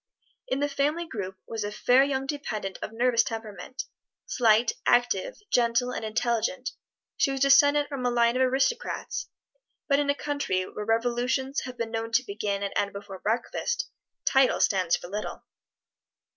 In the family group was a fair young dependent of nervous temperament slight, active, gentle and intelligent. She was descendent from a line of aristocrats, but in a country where revolutions have been known to begin and end before breakfast, titles stand for little.